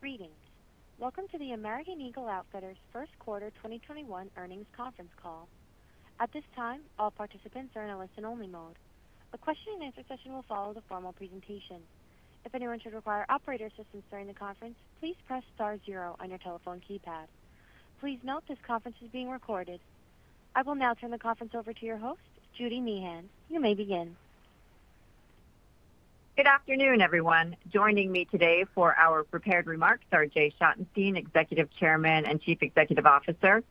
Greetings. Welcome to the American Eagle Outfitters first quarter 2021 earnings conference call. At this time, all participants are in listen-only mode. A question-and-answer session will follow the formal presentation. If anyone should require operator assistance during the conference, please press star zero on your telephone keypad. Please note this conference is being recorded. I will now turn the conference over to your host, Judy Meehan. You may begin. Good afternoon, everyone. Joining me today for our prepared remarks are Jay Schottenstein, Executive Chairman and Chief Executive Officer.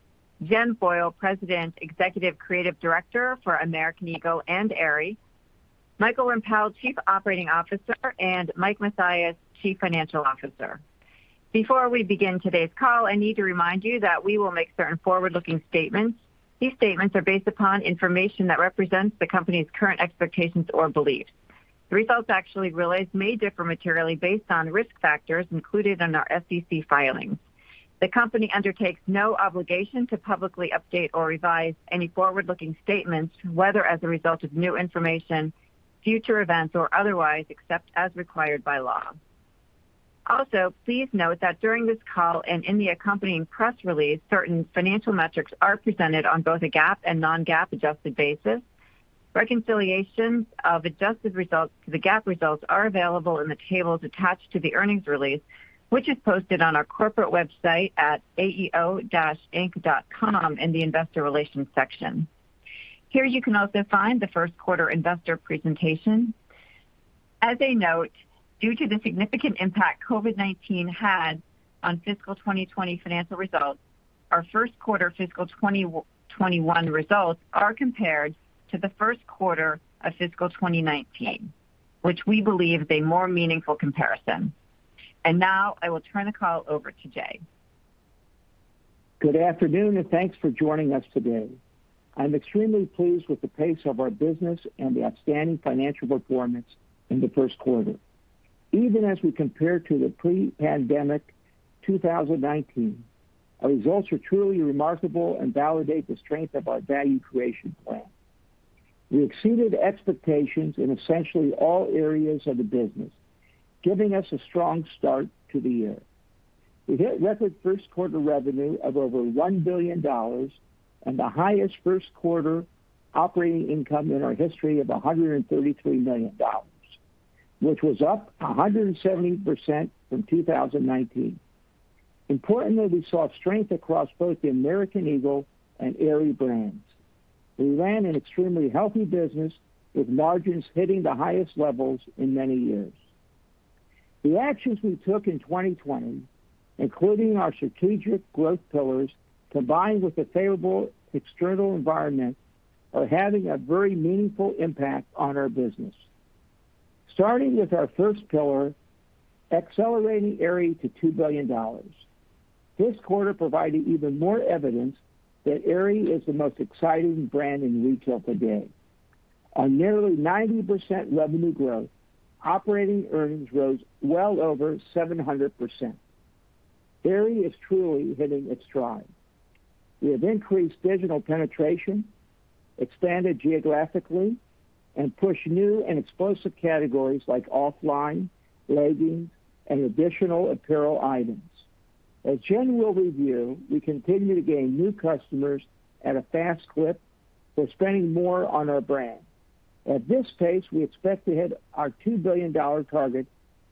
Jen Foyle, President, Executive Creative Director for American Eagle and Aerie. Michael Rempell, Chief Operating Officer, and Mike Mathias, Chief Financial Officer. Before we begin today's call, I need to remind you that we will make certain forward-looking statements. These statements are based upon information that represents the company's current expectations or beliefs. Results actually realized may differ materially based on risk factors included in our SEC filings. The company undertakes no obligation to publicly update or revise any forward-looking statements, whether as a result of new information, future events, or otherwise, except as required by law. Also, please note that during this call and in the accompanying press release, certain financial metrics are presented on both a GAAP and non-GAAP adjusted basis. Reconciliations of adjusted results to the GAAP results are available in the tables attached to the earnings release, which is posted on our corporate website at aeo-inc.com in the investor relations section. Here you can also find the first quarter investor presentation. As a note, due to the significant impact COVID-19 had on fiscal 2020 financial results, our first quarter fiscal 2021 results are compared to the first quarter of fiscal 2019, which we believe is a more meaningful comparison. Now I will turn the call over to Jay. Good afternoon, and thanks for joining us today. I'm extremely pleased with the pace of our business and the outstanding financial performance in the first quarter. Even as we compare to the pre-pandemic 2019, our results are truly remarkable and validate the strength of our value creation plan. We exceeded expectations in essentially all areas of the business, giving us a strong start to the year. We hit record first quarter revenue of over $1 billion and the highest first quarter operating income in our history of $133 million, which was up 117% from 2019. Importantly, we saw strength across both the American Eagle and Aerie brands. We ran an extremely healthy business with margins hitting the highest levels in many years. The actions we took in 2020, including our strategic growth pillars, combined with the favorable external environment, are having a very meaningful impact on our business. Starting with our first pillar, accelerating Aerie to $2 billion. This quarter provided even more evidence that Aerie is the most exciting brand in retail today. On nearly 90% revenue growth, operating earnings rose well over 700%. Aerie is truly hitting its stride. We have increased digital penetration, expanded geographically, and pushed new and explosive categories like OFFLINE, leggings, and additional apparel items. As Jen will review, we continue to gain new customers at a fast clip, who are spending more on our brand. At this pace, we expect to hit our $2 billion target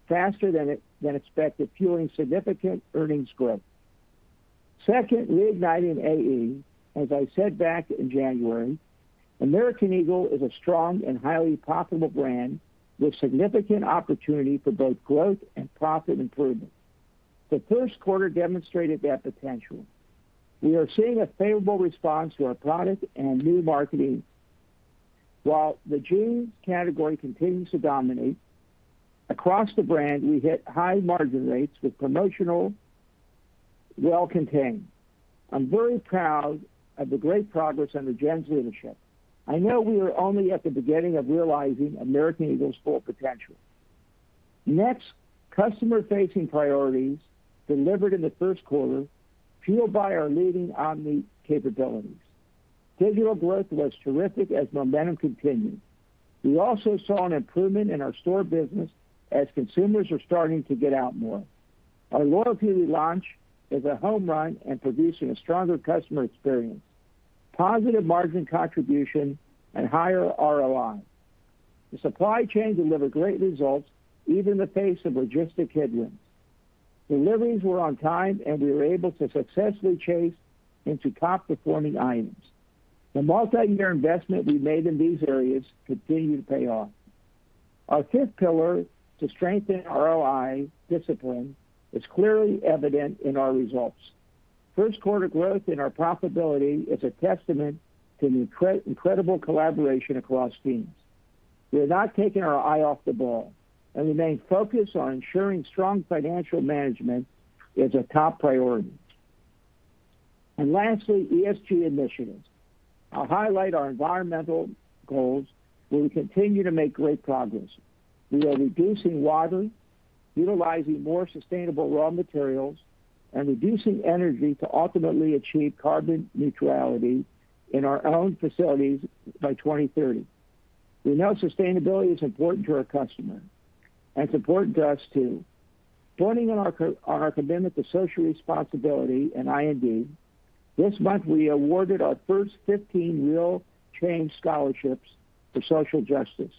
faster than expected, fueling significant earnings growth. Second, reigniting AE. As I said back in January, American Eagle is a strong and highly profitable brand with significant opportunity for both growth and profit improvement. The first quarter demonstrated that potential. We are seeing a favorable response to our product and new marketing. While the jeans category continues to dominate, across the brand, we hit high margin rates with promotional well contained. I'm very proud of the great progress under Jen's leadership. I know we are only at the beginning of realizing American Eagle's full potential. Next, customer-facing priorities delivered in the first quarter fueled by our leading omni capabilities. Digital growth was terrific as momentum continued. We also saw an improvement in our store business as consumers are starting to get out more. Our loyalty relaunch is a home run and producing a stronger customer experience, positive margin contribution, and higher ROI. The supply chain delivered great results even in the face of logistic headwinds. Deliveries were on time, and we were able to successfully chase into top performing items. The multi-year investment we made in these areas continue to pay off. Our fifth pillar to strengthen ROI discipline is clearly evident in our results. First quarter growth in our profitability is a testament to the incredible collaboration across teams. We have not taken our eye off the ball, and remain focused on ensuring strong financial management is a top priority. Lastly, ESG initiatives. I'll highlight our environmental goals where we continue to make great progress. We are reducing water, utilizing more sustainable raw materials, and reducing energy to ultimately achieve carbon neutrality in our own facilities by 2030. We know sustainability is important to our customer and it's important to us, too. Joining our commitment to social responsibility at I&D, this month, we awarded our first 15 REAL Change Scholarships for Social Justice.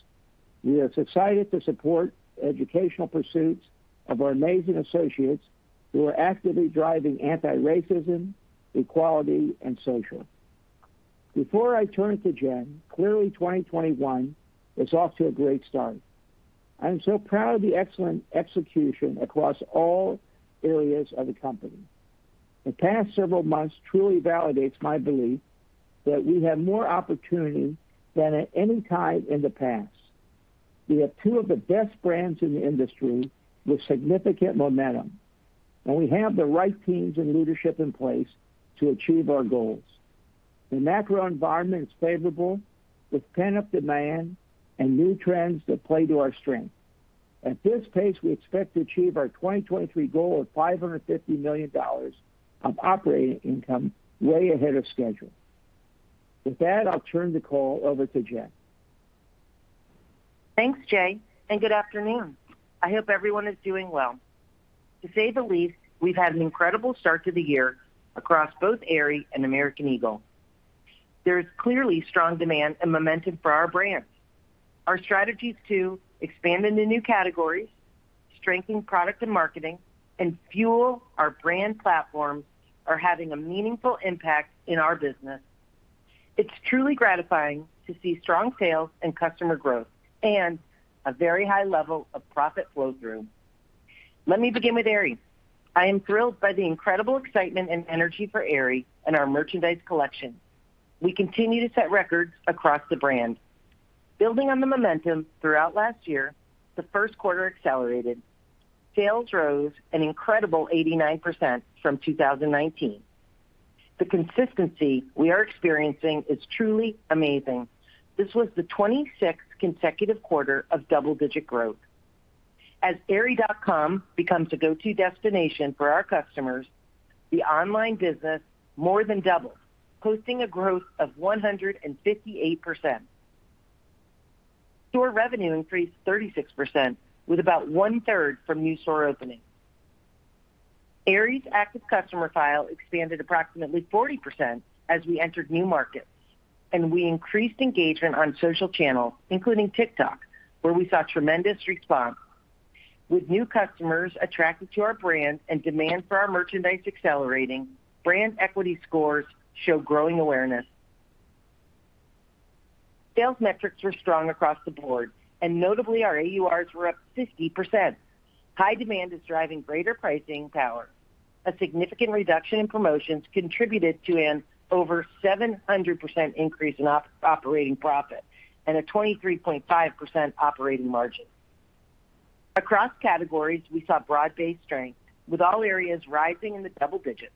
We are excited to support educational pursuits of our amazing associates who are actively driving anti-racism, equality, and social. Before I turn it to Jen, clearly 2021 is off to a great start. I'm so proud of the excellent execution across all areas of the company. The past several months truly validates my belief that we have more opportunity than at any time in the past. We have two of the best brands in the industry with significant momentum, and we have the right teams and leadership in place to achieve our goals. The macro environment is favorable with pent-up demand and new trends that play to our strength. At this pace, we expect to achieve our 2023 goal of $550 million of operating income way ahead of schedule. With that, I'll turn the call over to Jen. Thanks, Jay, and good afternoon. I hope everyone is doing well. To say the least, we've had an incredible start to the year across both Aerie and American Eagle. There is clearly strong demand and momentum for our brands. Our strategies to expand into new categories, strengthen product and marketing, and fuel our brand platforms are having a meaningful impact in our business. It's truly gratifying to see strong sales and customer growth and a very high level of profit flow-through. Let me begin with Aerie. I am thrilled by the incredible excitement and energy for Aerie and our merchandise collection. We continue to set records across the brand. Building on the momentum throughout last year, the first quarter accelerated. Sales rose an incredible 89% from 2019. The consistency we are experiencing is truly amazing. This was the 26th consecutive quarter of double-digit growth. As aerie.com becomes a go-to destination for our customers, the online business more than doubled, posting a growth of 158%. Store revenue increased 36%, with about 1/3 from new store openings. Aerie's active customer file expanded approximately 40% as we entered new markets, and we increased engagement on social channels, including TikTok, where we saw tremendous response. With new customers attracted to our brand and demand for our merchandise accelerating, brand equity scores show growing awareness. Sales metrics were strong across the board, notably, our AURs were up 50%. High demand is driving greater pricing power. A significant reduction in promotions contributed to an over 700% increase in operating profit and a 23.5% operating margin. Across categories, we saw broad-based strength, with all areas rising in the double digits.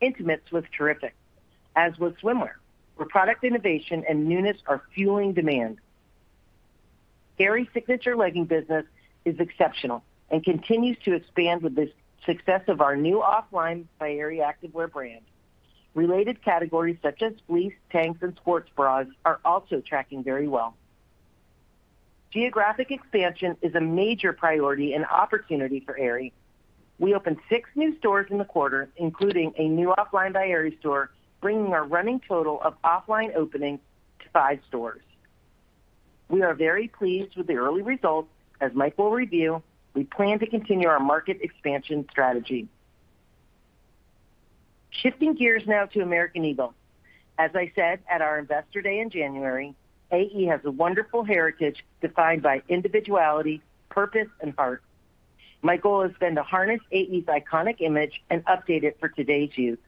Intimates was terrific, as was swimwear. Our product innovation and units are fueling demand. Aerie's signature legging business is exceptional and continues to expand with the success of our new OFFLINE by Aerie activewear brand. Related categories such as fleece, tanks, and sports bras are also tracking very well. Geographic expansion is a major priority and opportunity for Aerie. We opened six new stores in the quarter, including a new OFFLINE by Aerie store, bringing our running total of OFFLINE openings to five stores. We are very pleased with the early results. As Mike will review, we plan to continue our market expansion strategy. Shifting gears now to American Eagle. As I said at our Investor Day in January, AE has a wonderful heritage defined by individuality, purpose, and art. My goal has been to harness AE's iconic image and update it for today's youth.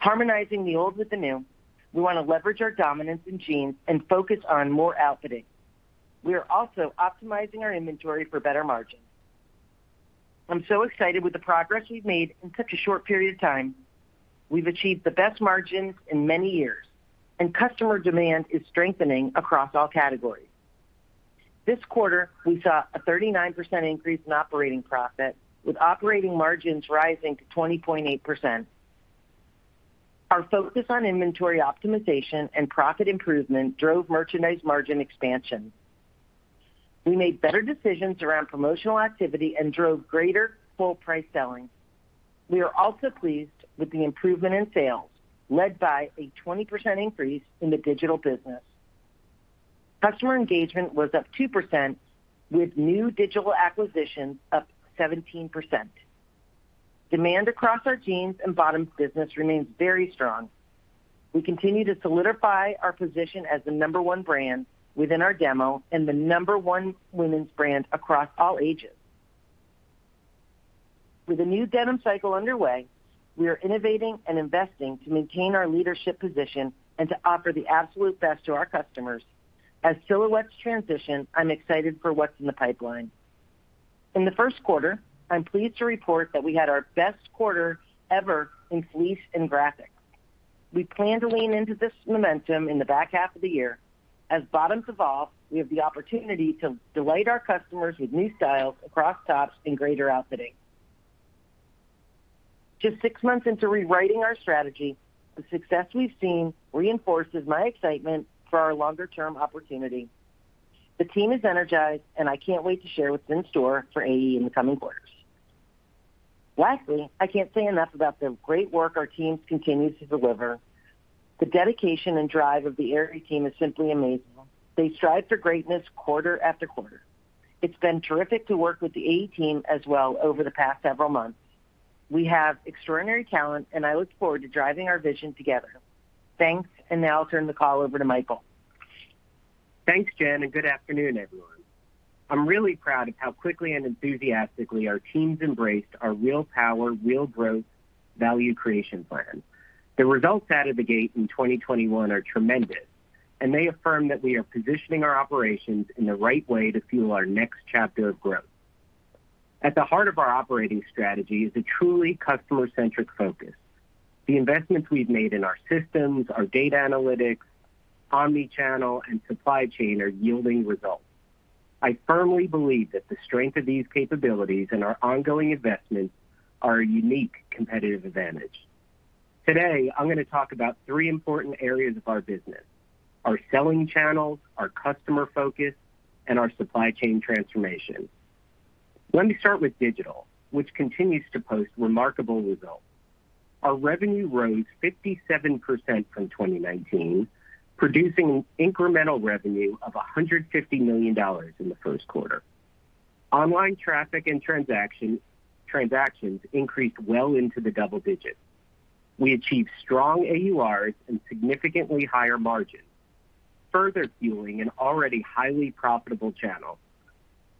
Harmonizing the old with the new, we want to leverage our dominance in jeans and focus on more outfitting. We are also optimizing our inventory for better margins. I'm so excited with the progress we've made in such a short period of time. We've achieved the best margins in many years, and customer demand is strengthening across all categories. This quarter, we saw a 39% increase in operating profit, with operating margins rising to 20.8%. Our focus on inventory optimization and profit improvement drove merchandise margin expansion. We made better decisions around promotional activity and drove greater full-price selling. We are also pleased with the improvement in sales, led by a 20% increase in the digital business. Customer engagement was up 2% with new digital acquisitions up 17%. Demand across our jeans and bottoms business remains very strong. We continue to solidify our position as the number one brand within our demo and the number one women's brand across all ages. With a new denim cycle underway, we are innovating and investing to maintain our leadership position and to offer the absolute best to our customers. As silhouettes transition, I'm excited for what's in the pipeline. In the first quarter, I'm pleased to report that we had our best quarter ever in fleece and graphics. We plan to lean into this momentum in the back half of the year. As bottoms evolve, we have the opportunity to delight our customers with new styles across tops and greater outfitting. Just six months into rewriting our strategy, the success we've seen reinforces my excitement for our longer-term opportunity. The team is energized, and I can't wait to share what's in store for AE in the coming quarters. Lastly, I can't say enough about the great work our teams continue to deliver. The dedication and drive of the Aerie team is simply amazing. They strive for greatness quarter-after-quarter. It's been terrific to work with the AE team as well over the past several months. We have extraordinary talent, and I look forward to driving our vision together. Thanks. Now I'll turn the call over to Michael. Thanks, Jen, good afternoon, everyone. I'm really proud of how quickly and enthusiastically our teams embraced our Real Power. Real Growth. value creation plan. The results out of the gate in 2021 are tremendous, and they affirm that we are positioning our operations in the right way to fuel our next chapter of growth. At the heart of our operating strategy is a truly customer-centric focus. The investments we've made in our systems, our data analytics, omni-channel, and supply chain are yielding results. I firmly believe that the strength of these capabilities and our ongoing investments are a unique competitive advantage. Today, I'm going to talk about three important areas of our business. Our selling channels, our customer focus, and our supply chain transformation. Let me start with digital, which continues to post remarkable results. Our revenue rose 57% from 2019, producing incremental revenue of $150 million in the first quarter. Online traffic and transactions increased well into the double digits. We achieved strong AURs and significantly higher margins, further fueling an already highly profitable channel.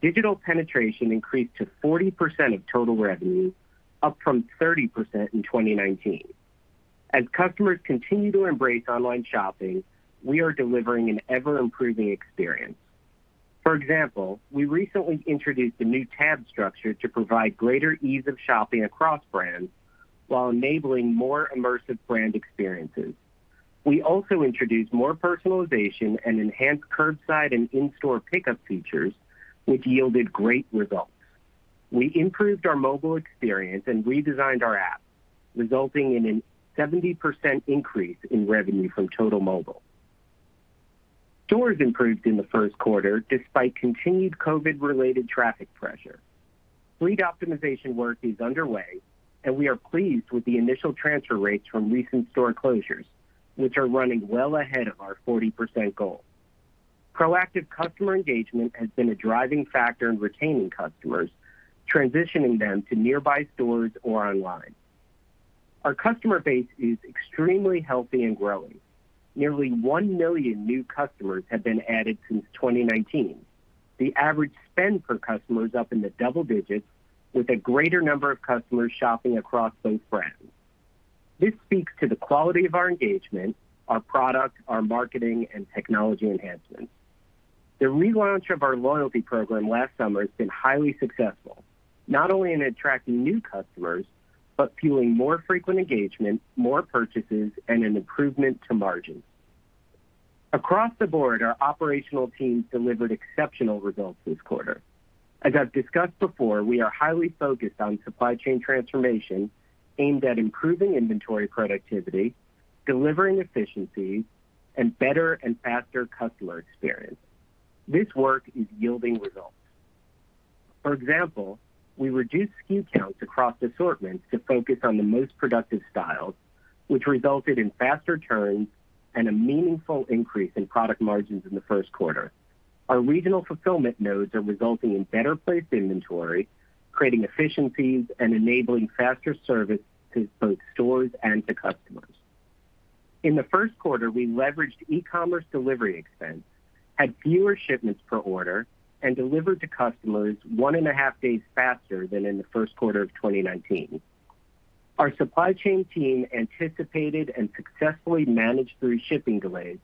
Digital penetration increased to 40% of total revenue, up from 30% in 2019. As customers continue to embrace online shopping, we are delivering an ever-improving experience. For example, we recently introduced a new tab structure to provide greater ease of shopping across brands while enabling more immersive brand experiences. We also introduced more personalization and enhanced curbside and in-store pickup features, which yielded great results. We improved our mobile experience and redesigned our apps, resulting in a 70% increase in revenue from total mobile. Stores improved in the first quarter, despite continued COVID-related traffic pressures. Fleet optimization work is underway, and we are pleased with the initial transfer rates from recent store closures, which are running well ahead of our 40% goal. Proactive customer engagement has been a driving factor in retaining customers, transitioning them to nearby stores or online. Our customer base is extremely healthy and growing. Nearly 1 million new customers have been added since 2019. The average spend per customer is up in the double digits, with a greater number of customers shopping across both brands. This speaks to the quality of our engagement, our products, our marketing, and technology enhancements. The relaunch of our loyalty program last summer has been highly successful, not only in attracting new customers, but fueling more frequent engagement, more purchases, and an improvement to margins. Across the board, our operational teams delivered exceptional results this quarter. As I've discussed before, we are highly focused on supply chain transformation aimed at improving inventory productivity, delivering efficiencies, and better and faster customer experience. This work is yielding results. For example, we reduced SKU counts across assortments to focus on the most productive styles, which resulted in faster turns and a meaningful increase in product margins in the first quarter. Our regional fulfillment nodes are resulting in better-placed inventory, creating efficiencies, and enabling faster service to both stores and to customers. In the first quarter, we leveraged e-commerce delivery expense, had fewer shipments per order, and delivered to customers one-and-a-half days faster than in the first quarter of 2019. Our supply chain team anticipated and successfully managed through shipping delays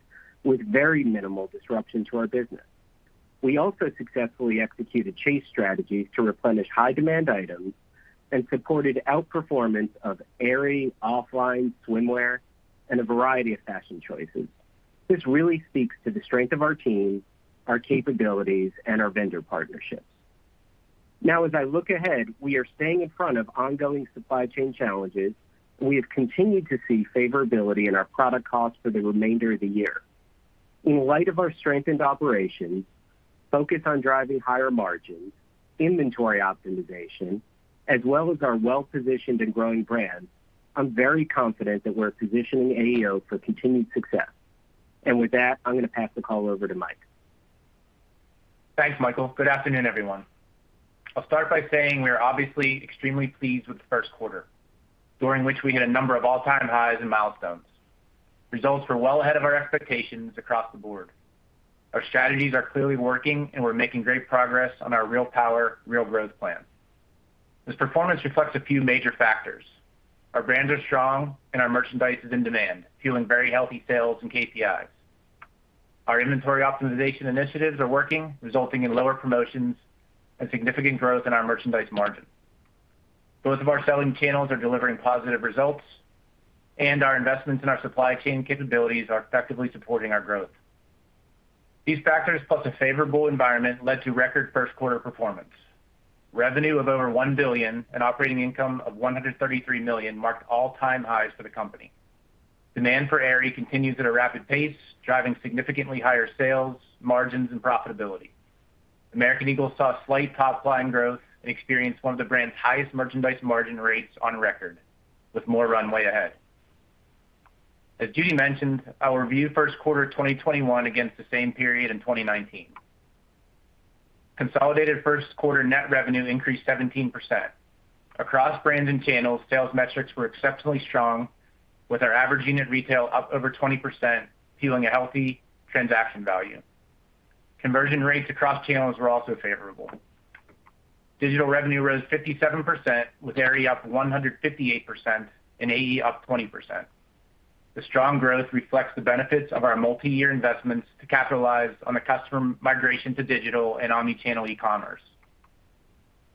with very minimal disruption to our business. We also successfully executed chase strategies to replenish high-demand items and supported outperformance of Aerie, OFFLINE swimwear, and a variety of fashion choices. This really speaks to the strength of our team, our capabilities, and our vendor partnerships. Now, as I look ahead, we are staying in front of ongoing supply chain challenges, and we have continued to see favorability in our product costs for the remainder of the year. In light of our strengthened operations, focus on driving higher margins, inventory optimization, as well as our well-positioned and growing brands, I'm very confident that we're positioning AEO for continued success. With that, I'm going to pass the call over to Mike. Thanks, Michael. Good afternoon, everyone. I'll start by saying we are obviously extremely pleased with the first quarter, during which we had a number of all-time highs and milestones. Results were well ahead of our expectations across the board. Our strategies are clearly working, and we're making great progress on our Real Power. Real Growth. plan. This performance reflects a few major factors. Our brands are strong, and our merchandise is in demand, fueling very healthy sales and KPIs. Our inventory optimization initiatives are working, resulting in lower promotions and significant growth in our merchandise margin. Both of our selling channels are delivering positive results, and our investments in our supply chain capabilities are effectively supporting our growth. These factors, plus a favorable environment, led to record first quarter performance. Revenue of over $1 billion and operating income of $133 million marked all-time highs for the company. Demand for Aerie continues at a rapid pace, driving significantly higher sales, margins, and profitability. American Eagle saw slight top-line growth and experienced one of the brand's highest merchandise margin rates on record, with more runway ahead. As Judy mentioned, I'll review first quarter 2021 against the same period in 2019. Consolidated first quarter net revenue increased 17%. Across brands and channels, sales metrics were exceptionally strong, with our average unit retail up over 20%, fueling a healthy transaction value. Conversion rates across channels were also favorable. Digital revenue rose 57%, with Aerie up 158% and AE up 20%. The strong growth reflects the benefits of our multi-year investments to capitalize on the customer migration to digital and omni-channel e-commerce.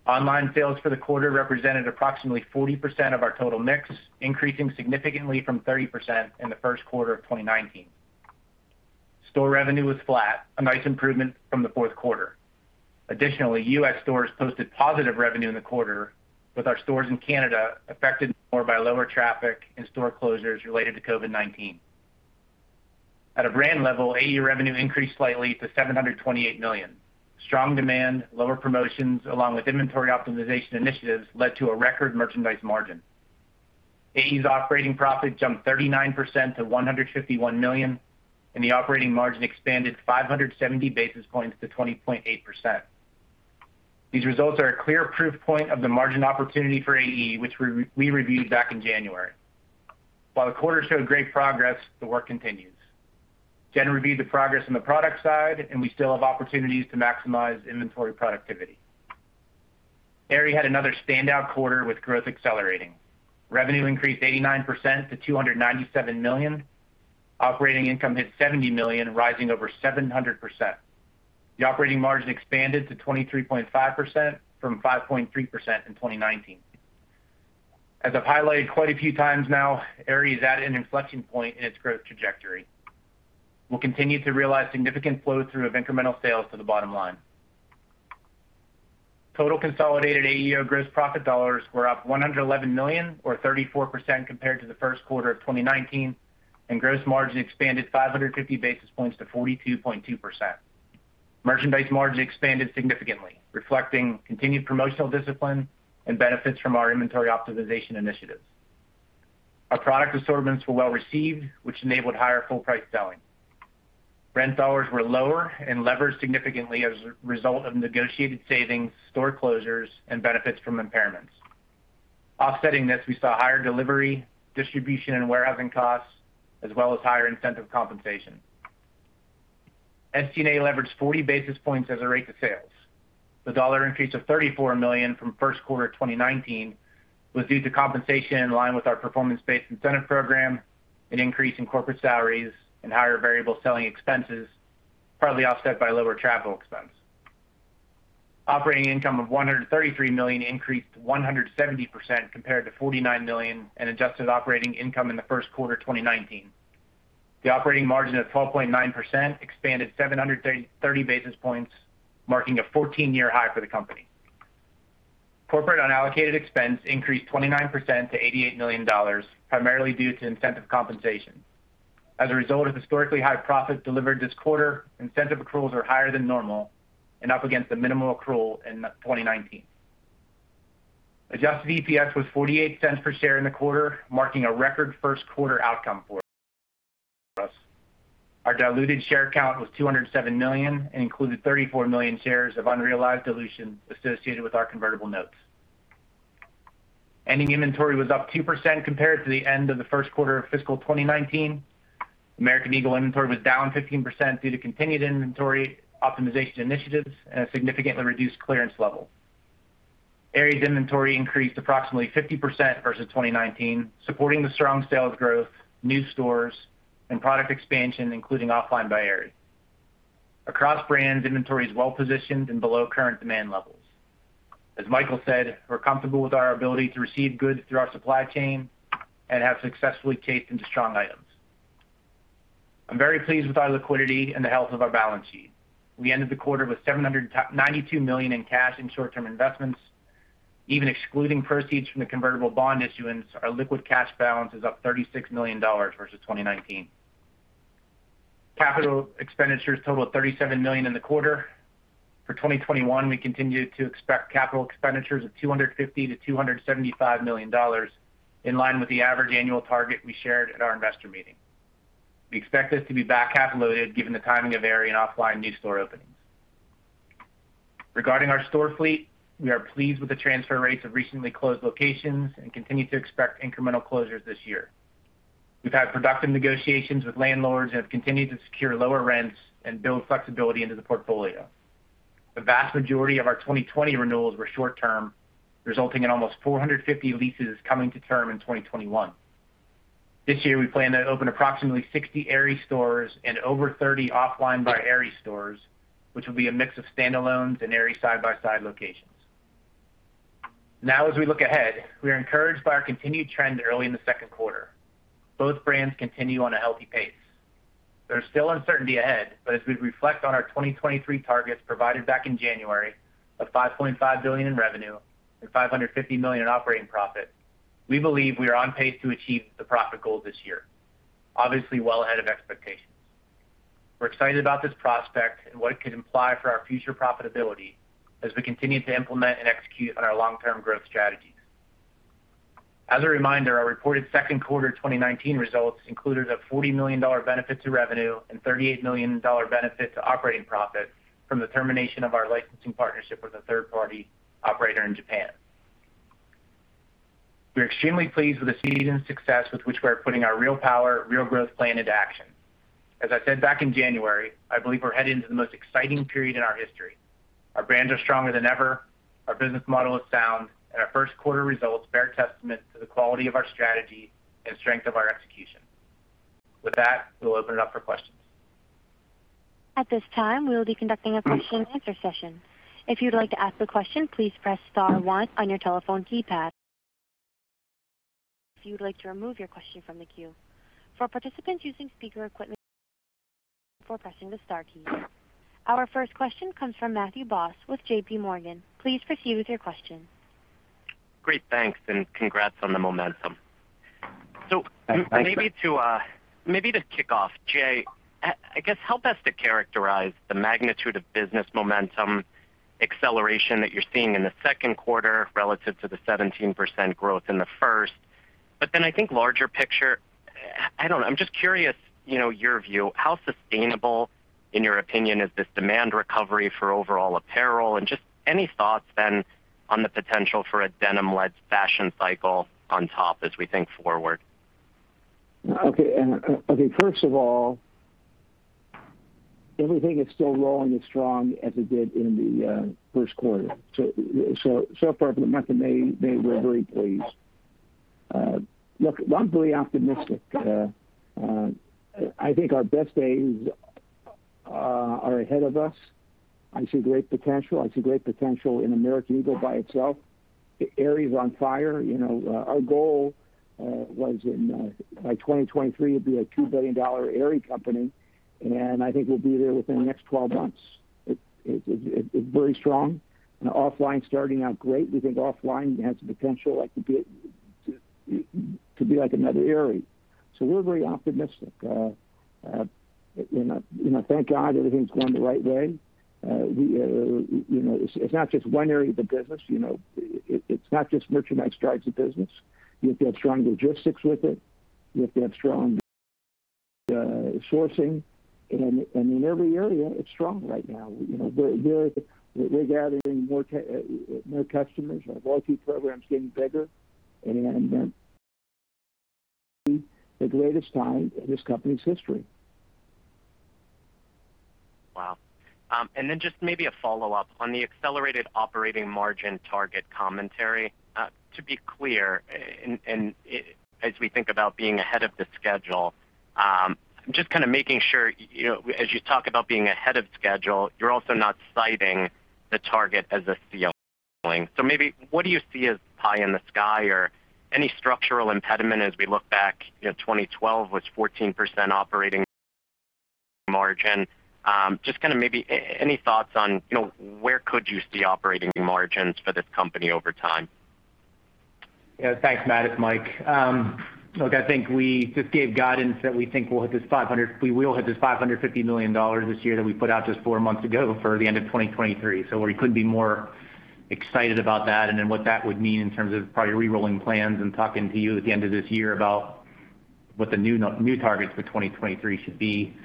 Online sales for the quarter represented approximately 40% of our total mix, increasing significantly from 30% in the first quarter of 2019. Store revenue was flat, a nice improvement from the fourth quarter. Additionally, U.S. stores posted positive revenue in the quarter, with our stores in Canada affected more by lower traffic and store closures related to COVID-19. At a brand level, AE revenue increased slightly to $728 million. Strong demand, lower promotions, along with inventory optimization initiatives led to a record merchandise margin. AE's operating profits jumped 39% to $151 million, and the operating margin expanded 570 basis points to 20.8%. These results are a clear proof point of the margin opportunity for AE, which we reviewed back in January. While the quarter showed great progress, the work continues. Jen reviewed the progress on the product side, and we still have opportunities to maximize inventory productivity. Aerie had another standout quarter with growth accelerating. Revenue increased 89% to $297 million. Operating income hit $70 million, rising over 700%. The operating margin expanded to 23.5% from 5.3% in 2019. As I've highlighted quite a few times now, Aerie is at an inflection point in its growth trajectory. We'll continue to realize significant flow-through of incremental sales to the bottom line. Total consolidated AE gross profit dollars were up $111 million, or 34% compared to the first quarter of 2019, and gross margin expanded 550 basis points to 42.2%. Merchandise margin expanded significantly, reflecting continued promotional discipline and benefits from our inventory optimization initiatives. Our product assortments were well received, which enabled higher full-price selling. Rent dollars were lower, and levered significantly as a result of negotiated savings, store closures, and benefits from impairments. Offsetting this, we saw higher delivery, distribution, and warehousing costs, as well as higher incentive compensation. SG&A leveraged 40 basis points as a rate to sales. The dollar increase of $34 million from first quarter 2019 was due to compensation in line with our performance-based incentive program, an increase in corporate salaries, and higher variable selling expenses, partly offset by lower travel expense. Operating income of $133 million increased 170% compared to $49 million in adjusted operating income in the first quarter of 2019. The operating margin of 12.9% expanded 730 basis points, marking a 14-year high for the company. Corporate unallocated expense increased 29% to $88 million, primarily due to incentive compensation. As a result of historically high profits delivered this quarter, incentive accruals are higher than normal and up against the minimal accrual in 2019. Adjusted EPS was $0.48 per share in the quarter, marking a record first quarter outcome for us. Our diluted share count was 207 million, and included 34 million shares of unrealized dilution associated with our convertible notes. Ending inventory was up 2% compared to the end of the first quarter of fiscal 2019. American Eagle inventory was down 15% due to continued inventory optimization initiatives and a significantly reduced clearance level. Aerie's inventory increased approximately 50% versus 2019, supporting the strong sales growth, new stores, and product expansion, including OFFLINE by Aerie. Across brands, inventory is well-positioned and below current demand levels. As Michael said, we're comfortable with our ability to receive goods through our supply chain and have successfully chased in strong items. I'm very pleased with our liquidity and the health of our balance sheet. We ended the quarter with $792 million in cash and short-term investments. Even excluding proceeds from the convertible bond issuance, our liquid cash balance is up $36 million versus 2019. Capital expenditures totaled $37 million in the quarter. For 2021, we continue to expect capital expenditures of $250 million-$275 million, in line with the average annual target we shared at our investor meeting. We expect this to be back-half loaded given the timing of Aerie and OFFLINE new store openings. Regarding our store fleet, we are pleased with the transfer rates of recently closed locations and continue to expect incremental closures this year. We've had productive negotiations with landlords and have continued to secure lower rents and build flexibility into the portfolio. The vast majority of our 2020 renewals were short-term, resulting in almost 450 leases coming to term in 2021. This year, we plan to open approximately 60 Aerie stores and over 30 OFFLINE by Aerie stores, which will be a mix of standalones and Aerie side-by-side locations. Now, as we look ahead, we are encouraged by our continued trend early in the second quarter. Both brands continue on a healthy pace. There's still uncertainty ahead, but as we reflect on our 2023 targets provided back in January of $5.5 billion in revenue and $550 million in operating profit, we believe we are on pace to achieve the profit goal this year, obviously well ahead of expectations. We're excited about this prospect and what it could imply for our future profitability as we continue to implement and execute on our long-term growth strategies. As a reminder, our reported second quarter 2019 results included a $40 million benefit to revenue and $38 million benefit to operating profit from the termination of our licensing partnership with a third-party operator in Japan. We're extremely pleased with the season of success with which we are putting our Real Power. Real Growth. Plan into action. As I said back in January, I believe we're heading into the most exciting period in our history. Our brands are stronger than ever, our business model is sound, and our first quarter results bear testament to the quality of our strategy and strength of our execution. With that, we'll open it up for questions. At this time, we'll be conducting a question-and-answer session. If you would like to ask a question, please press star one on your telephone keypad. If you would like to remove your question from the queue. For participants using speaker equipment please unmute before pressing the star key. Our first question comes from Matthew Boss with JPMorgan. Please proceed with your question. Great. Thanks, and congrats on the momentum. Thanks, Matt. Maybe to kick off, Jay, I guess help us to characterize the magnitude of business momentum acceleration that you're seeing in the second quarter relative to the 17% growth in the first. I think larger picture, I don't know, I'm just curious, your view, how sustainable, in your opinion, is this demand recovery for overall apparel and just any thoughts then on the potential for a denim-led fashion cycle on top as we think forward? Okay. I think first of all, everything is still rolling as strong as it did in the first quarter. So far from momentum, we're very pleased. Look, I'm very optimistic. I think our best days are ahead of us. I see great potential. I see great potential in American Eagle by itself. Aerie's on fire. Our goal was by 2023 to be a $2 billion Aerie company, and I think we'll be there within the next 12 months. It's very strong, and OFFLINE's starting out great. We think OFFLINE has the potential to be like another Aerie. We're very optimistic. Thank God everything's going the right way. It's not just one area of the business. It's not just merchandise drives the business. You have to have strong logistics with it. You have to have strong sourcing. In every area, it's strong right now. We're gathering more customers. Our loyalty program's getting bigger, and this may be the greatest time in this company's history. Wow. Just maybe a follow-up. On the accelerated operating margin target commentary, to be clear, and as we think about being ahead of the schedule, just kind of making sure, as you talk about being ahead of schedule, you're also not citing the target as a ceiling. Maybe what do you see as pie in the sky or any structural impediment as we look back, 2012 was 14% operating margin. Just maybe any thoughts on where could you see operating margins for this company over time? Thanks, Matt. It's Mike. Look, I think we just gave guidance that we think we will hit this $550 million this year that we put out just four months ago for the end of 2023. We couldn't be more excited about that and then what that would mean in terms of probably re-rolling plans and talking to you at the end of this year about what the new targets for 2023 should be.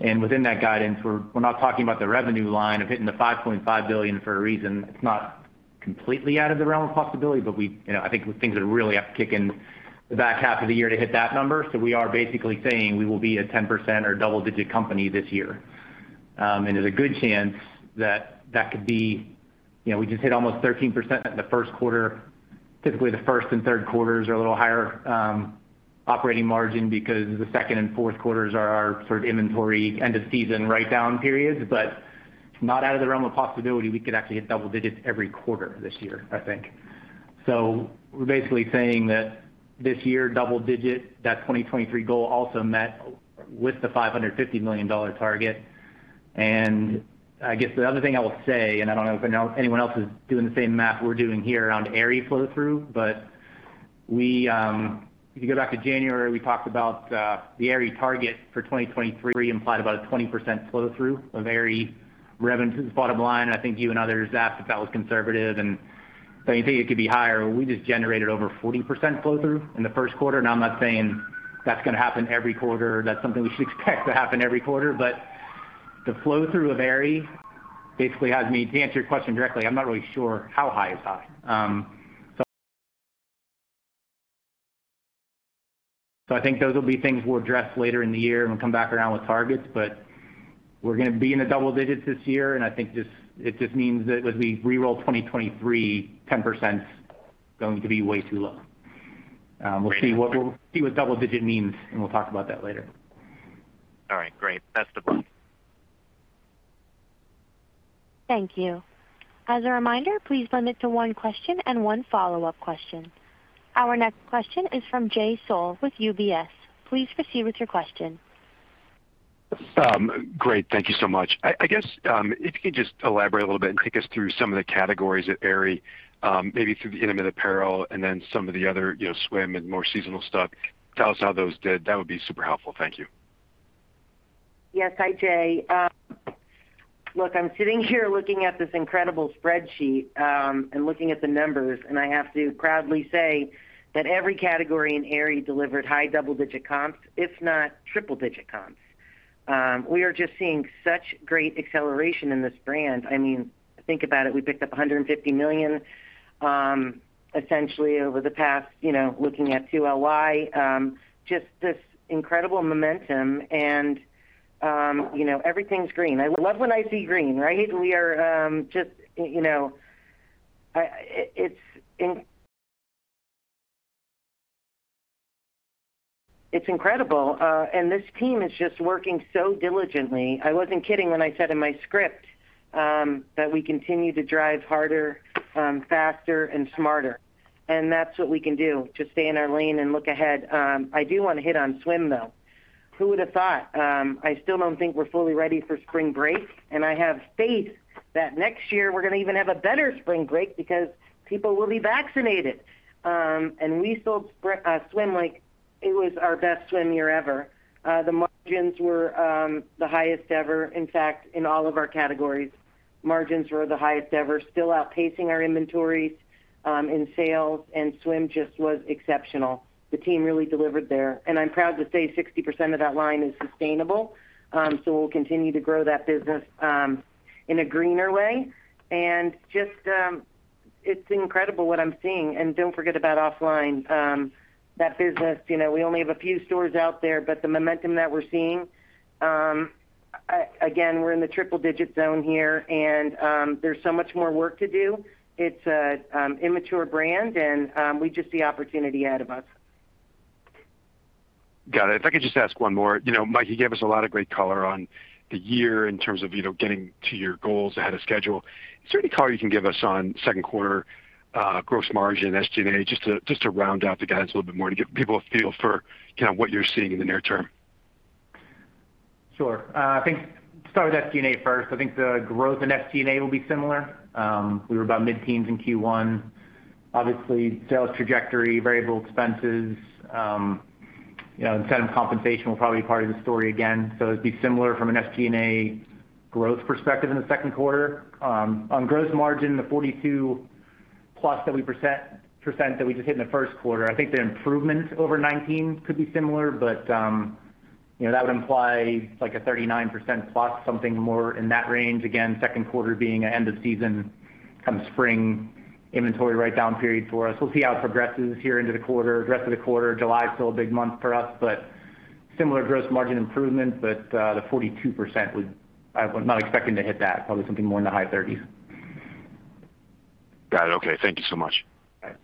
Within that guidance, we're not talking about the revenue line of hitting the $5.5 billion for a reason. That's not completely out of the realm of possibility, but I think things would really have to kick in the back half of the year to hit that number. We are basically saying we will be a 10% or double-digit company this year and there's a good chance that that could be. We just hit almost 13% in the first quarter. Typically, the first and third quarters are a little higher operating margin because the second and fourth quarters are our sort of inventory end-of-season write-down periods. Not out of the realm of possibility we could actually hit double digits every quarter this year, I think. We're basically saying that this year, double digit, that 2023 goal also met with the $550 million target. I guess the other thing I will say, and I don't know if anyone else is doing the same math we're doing here on Aerie flow-through, but if you go back to January, we talked about the Aerie target for 2023 implied about a 20% flow-through of Aerie revenue to the bottom line. I think you and others asked if that was conservative. You think it could be higher. Well, we just generated over 40% flow-through in the first quarter. Now, I'm not saying that's going to happen every quarter, that's something we should expect to happen every quarter. The flow-through of Aerie basically has me to answer your question directly, I'm not really sure how high is high. I think those will be things we'll address later in the year when we come back around with targets. We're going to be in the double digits this year. I think it just means that as we re-roll 2023, 10% is going to be way too low. We'll see what double digit means. We'll talk about that later. All right, great. That's the point. Thank you. As a reminder, please limit to one question and one follow-up question. Our next question is from Jay Sole with UBS. Please proceed with your question. Great. Thank you so much. I guess, if you could just elaborate a little bit and take us through some of the categories at Aerie, maybe through the intimate apparel and then some of the other, swim and more seasonal stuff. Tell us how those did. That would be super helpful. Thank you. Yes. Hi, Jay. Look, I'm sitting here looking at this incredible spreadsheet, looking at the numbers, I have to proudly say that every category in Aerie delivered high double-digit comps, if not triple-digit comps. We are just seeing such great acceleration in this brand. Think about it. We picked up $150 million, essentially over the past, looking at Q1, just this incredible momentum and everything's green. I love when I see green, right? It's incredible. This team is just working so diligently. I wasn't kidding when I said in my script that we continue to drive harder, faster, and smarter and that's what we can do, just stay in our lane and look ahead. I do want to hit on swim, though. Who would've thought? I still don't think we're fully ready for spring break. I have faith that next year we're going to even have a better spring break because people will be vaccinated. We sold swim like it was our best swim year ever. The margins were the highest ever. In fact, in all of our categories, margins were the highest ever. Still outpacing our inventories in sales and swim just was exceptional. The team really delivered there. I'm proud to say 60% of that line is sustainable. We'll continue to grow that business in a greener way. It's incredible what I'm seeing. Don't forget about OFFLINE. That business, we only have a few stores out there but the momentum that we're seeing, again, we're in the triple-digit zone here. There's so much more work to do. It's an immature brand, and we just see opportunity ahead of us. Got it. If I could just ask one more. Mikey gave us a lot of great color on the year in terms of getting to your goals ahead of schedule. Is there any color you can give us on second quarter gross margin and SG&A, just to round out the guidance a little bit more, and give people a feel for what you're seeing in the near term? Sure. I think, start with SG&A first. I think the growth in SG&A will be similar. We were about mid-teens in Q1. Obviously, sales trajectory, variable expenses, incentive compensation will probably be part of the story again. It'd be similar from an SG&A growth perspective in the second quarter. On gross margin, the 42+% that we just hit in the first quarter, I think the improvements over 2019 could be similar, but that implies like a 39%+, something more in that range. Again, second quarter being end of season, spring inventory write-down period for us. We'll see how it progresses here into the quarter. Rest of the quarter, July's still a big month for us, but similar gross margin improvement, but the 42%, I'm not expecting to hit that. Probably something more in the high 30s. Got it. Okay. Thank you so much.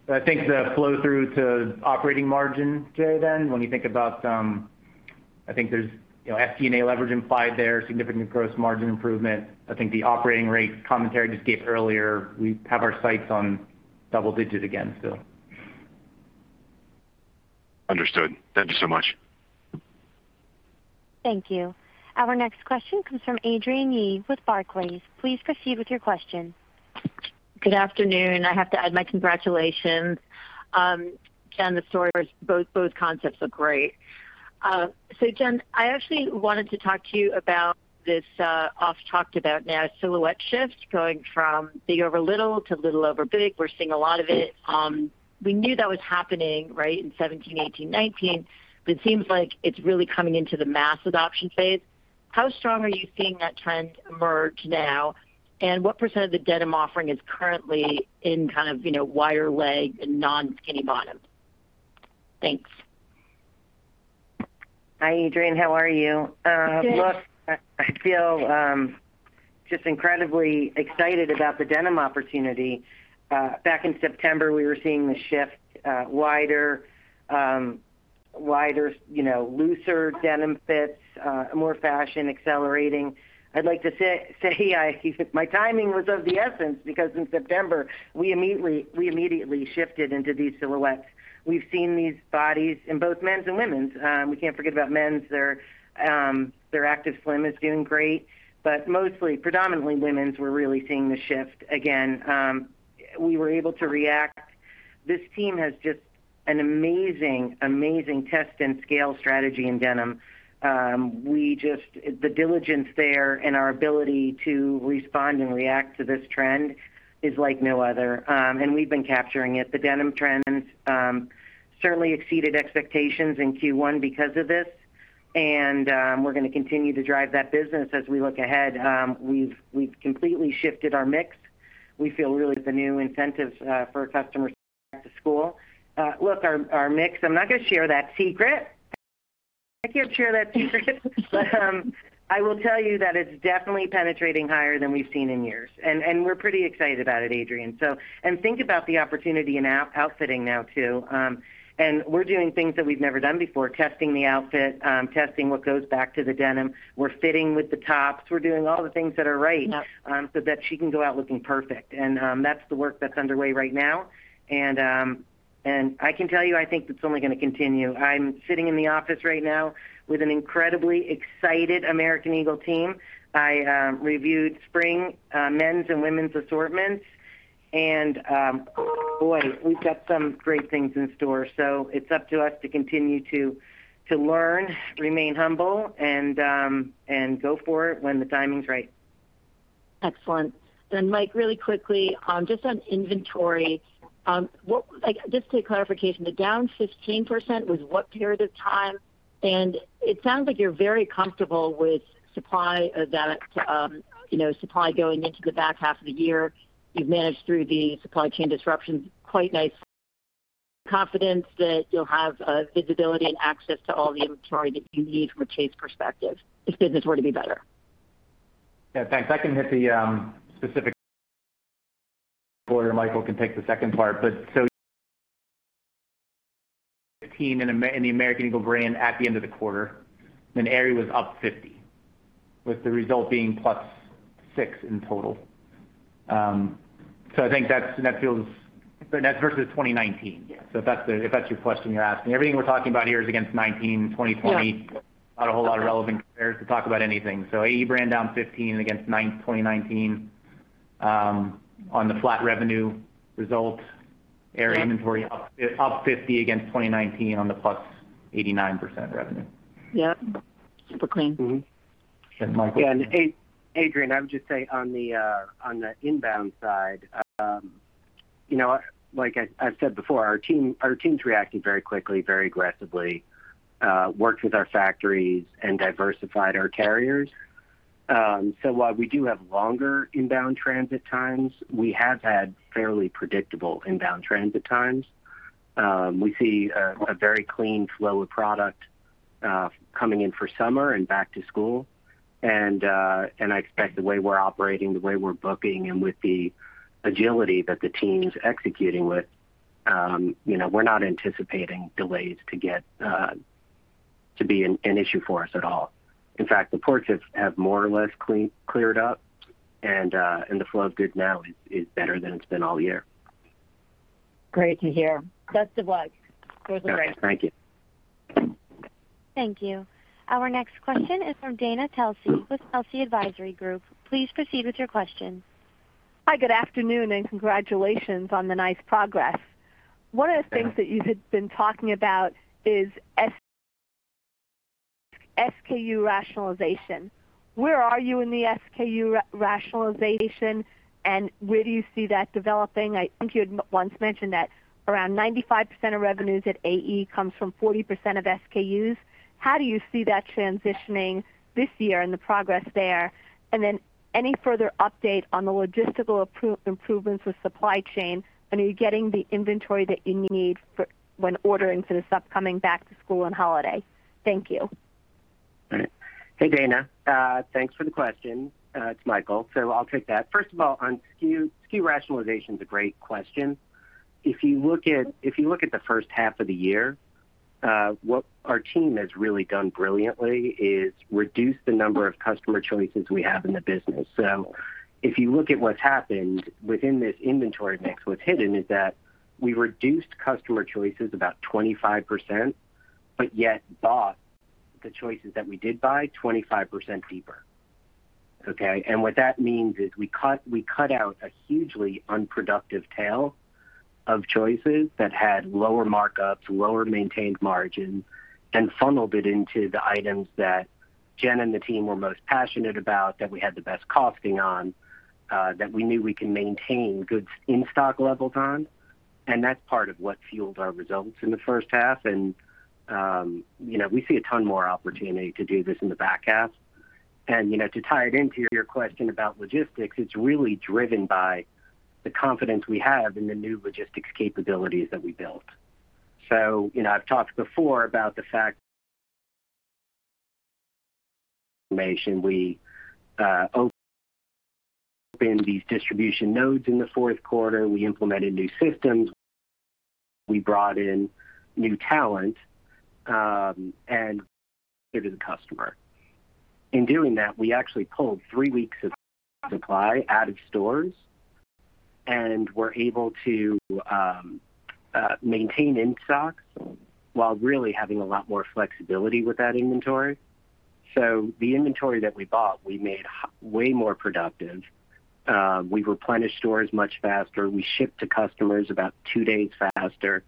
I think the flow-through to operating margin, Jay, when we think about, I think there's SG&A leverage implied there, significant gross margin improvement. I think the operating rate commentary just gave earlier, we have our sights on double digits again. Understood. Thank you so much. Thank you. Our next question comes from Adrienne Yih with Barclays. Please proceed with your question. Good afternoon. I have to add my congratulations on the story. Both concepts look great. Jen, I actually wanted to talk to you about this oft-talked-about now silhouette shift, going from big over little to little over big. We're seeing a lot of it. We knew that was happening, right, in 2017, 2018, 2019, but it seems like it's really coming into the mass adoption phase. How strong are you seeing that trend emerge now and what percent of the denim offering is currently in kind of wider legs and non-skinny bottoms? Thanks. Hi, Adrienne. How are you? Good. Look, I feel just incredibly excited about the denim opportunity. Back in September, we were seeing the shift, wider, looser denim fits, more fashion accelerating. I'd like to say my timing was of the essence because in September, we immediately shifted into these silhouettes. We've seen these bodies in both men's and women's. We can't forget about men's. Their active swim is doing great, but mostly, predominantly women's, we're really seeing the shift. Again, we were able to react. This team has just an amazing test and scale strategy in denim. The diligence there and our ability to respond and react to this trend is like no other. We've been capturing it. The denim trends certainly exceeded expectations in Q1 because of this, and we're going to continue to drive that business as we look ahead. We've completely shifted our mix. We feel really with the new incentives for customers back to school. Look, our mix, I'm not going to share that secret. Thank you, Chair. I will tell you that it's definitely penetrating higher than we've seen in years, and we're pretty excited about it, Adrienne. Think about the opportunity in outfitting now, too. We're doing things that we've never done before, testing the outfit, testing what goes back to the denim. We're fitting with the tops. We're doing all the things that are right, so that she can go out looking perfect. That's the work that's underway right now. I can tell you, I think it's only going to continue. I'm sitting in the office right now with an incredibly excited American Eagle team. I reviewed spring men's and women's assortments, and boy, we've got some great things in store. It's up to us to continue to learn, remain humble, and go for it when the timing's right. Excellent. Mike, really quickly, just on inventory. Just a clarification, the down 15% was what period of time? It sounds like you're very comfortable with supply going into the back half of the year. You've managed through the supply chain disruptions quite nicely. Confidence that you'll have visibility and access to all the inventory that you need from a chase perspective, is business ready to be better? Yeah. In fact, I can hit the specifics, and Michael can take the second part. Team in the American Eagle brand at the end of the quarter, and Aerie was up 50%, with the result being +6% in total. I think that's versus 2019. Yeah. That's your question you're asking. Everything we're talking about here is against 2019- Yeah. ...not a whole lot relevant compared to talking about anything. AE brand down 15 against 2019, on the flat revenue result. Aerie inventory up 50 against 2019 on the +89% revenue. Yep. Super clean. Michael. Adrienne, I would just say on the inbound side. Like I said before, our team's reacting very quickly, very aggressively. Worked with our factories and diversified our carriers. While we do have longer inbound transit times, we have had fairly predictable inbound transit times. We see a very clean flow of product coming in for summer and back to school. I expect the way we're operating, the way we're booking, and with the agility that the team's executing with, we're not anticipating delays to be an issue for us at all. In fact, the ports have more or less cleared up, and the flow of goods now is better than it's been all year. Great to hear. Best of luck. All right. Thank you. Thank you. Our next question is from Dana Telsey with Telsey Advisory Group. Please proceed with your question. Hi, good afternoon, and congratulations on the nice progress. One of the things that you had been talking about is SKU rationalization. Where are you in the SKU rationalization, and where do you see that developing? I think you had once mentioned that around 95% of revenues at AE comes from 40% of SKUs. How do you see that transitioning this year and the progress there? Any further update on the logistical improvements with supply chain? Are you getting the inventory that you need when ordering for the stuff coming back to school and holiday? Thank you. All right. Hey, Dana. Thanks for the question. It's Michael. I'll take that. First of all, on SKU rationalization is a great question. If you look at the first half of the year, what our team has really done brilliantly is reduce the number of customer choices we have in the business. If you look at what's happened within this inventory mix, what's hidden is that we reduced customer choices about 25%, but yet bought the choices that we did buy 25% deeper. Okay? What that means is we cut out a hugely unproductive tail of choices that had lower markups, lower maintained margins, and funneled it into the items that Jen and the team were most passionate about, that we had the best costing on, that we knew we could maintain good in-stock levels on and that's part of what fueled our results in the first half and we see a ton more opportunity to do this in the back half. To tie it into your question about logistics, it's really driven by the confidence we have in the new logistics capabilities that we built. I've talked before about the fact information. We opened these distribution nodes in the fourth quarter. We implemented new systems. We brought in new talent, and to the customer. In doing that, we actually pulled three weeks of supply out of stores and were able to maintain in-stock while really having a lot more flexibility with that inventory. The inventory that we bought, we made way more productive. We replenished stores much faster. We shipped to customers about two days faster.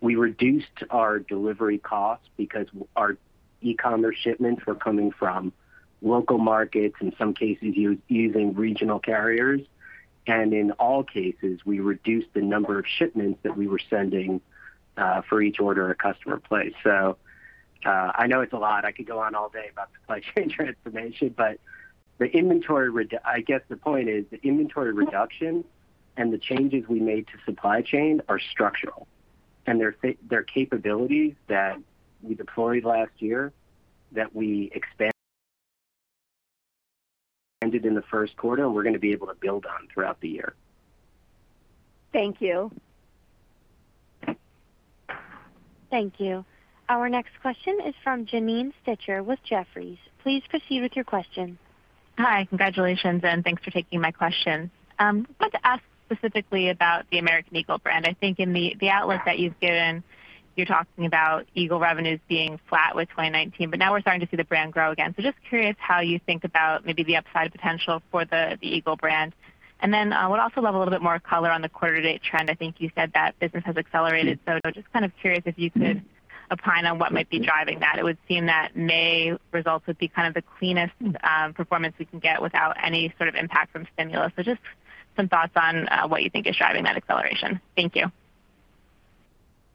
We reduced our delivery costs because our e-commerce shipments were coming from local markets, in some cases using regional carriers. In all cases, we reduced the number of shipments that we were sending for each order a customer placed. I know it's a lot. I could go on all day about supply chain transformation, but I guess the point is the inventory reduction. The changes we made to supply chain are structural, and they're capabilities that we deployed last year, that we expanded in the first quarter, and we're going to be able to build on throughout the year. Thank you. Thank you. Our next question is from Janine Stichter with Jefferies. Please proceed with your question. Hi, congratulations, thanks for taking my question. I'd like to ask specifically about the American Eagle brand. I think in the outlook that you've given, you're talking about Eagle revenues being flat with 2019, but now we're starting to see the brand grow again. Just curious how you think about maybe the upside potential for the Eagle brand and then I would also love a little bit more color on the quarter-to-date trend. I think you said that business has accelerated. Just curious if you could opine on what might be driving that. It would seem that May results would be the cleanest performance we can get without any sort of impact from stimulus. Just some thoughts on what you think is driving that acceleration. Thank you.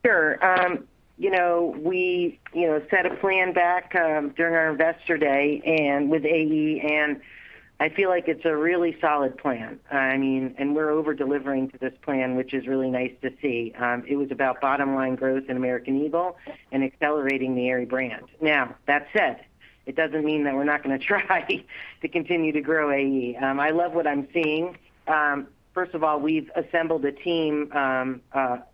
Sure. We set a plan back during our Investor Day with AE, and I feel like it's a really solid plan, and we're over-delivering to this plan, which is really nice to see. It was about bottom-line growth in American Eagle and accelerating the Aerie brand. Now, that said, it doesn't mean that we're not going to try to continue to grow AE and I love what I'm seeing. First of all, we've assembled a team.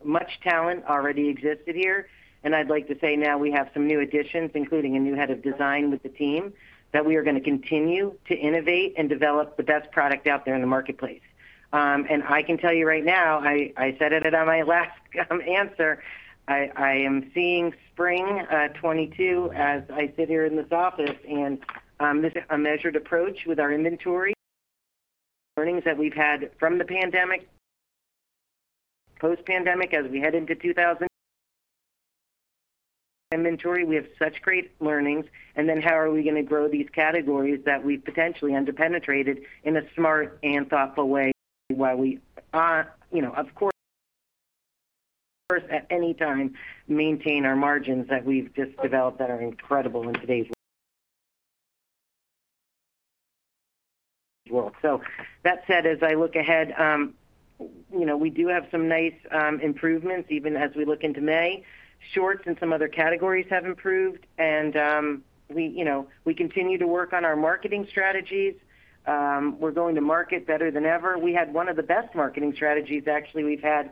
Much talent already existed here, and I'd like to say now we have some new additions, including a new head of design with the team, that we are going to continue to innovate and develop the best product out there in the marketplace. I can tell you right now, I said it in my last answer, I am seeing spring 2022 as I sit here in this office, and this is a measured approach with our inventory. Learnings that we've had from the pandemic, post-pandemic, as we head into 2000. Inventory, we have such great learnings, and then how are we going to grow these categories that we potentially under-penetrated in a smart and thoughtful way, while we are, of course, at any time, maintain our margins that we've just developed that are incredible in today's world. That said, as I look ahead, we do have some nice improvements, even as we look into May. Shorts and some other categories have improved, and we continue to work on our marketing strategies. We're going to market better than ever. We had one of the best marketing strategies, actually, we've had.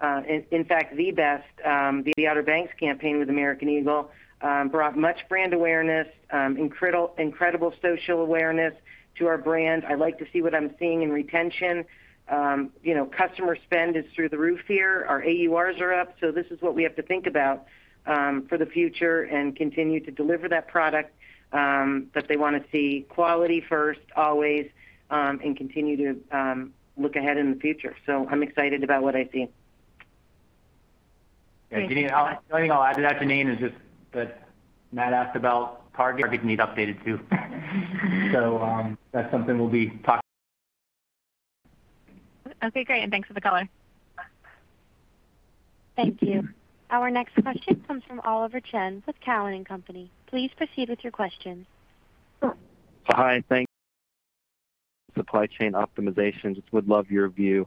In fact, the best. The Outer Banks campaign with American Eagle brought much brand awareness, incredible social awareness to our brand. I like to see what I'm seeing in retention. Customer spend is through the roof here. Our AURs are up so this is what we have to think about for the future and continue to deliver that product, that they want to see quality first always, and continue to look ahead in the future. I'm excited about what I see. Janine, the only thing I'll add to that, Janine, is just that Matt asked about Target, but he needs updated too. That's something we'll be talking Okay, great. Thanks for the color. Thank you. Our next question comes from Oliver Chen with Cowen and Company. Please proceed with your question. Hi, thanks. Supply chain optimization, just would love your view